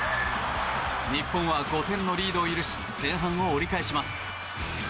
日本は５点のリードを許し前半を折り返します。